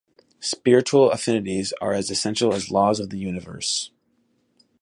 Spiritual affinities are as essential as laws of the universe.